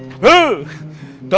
dompet tebal berisi dolar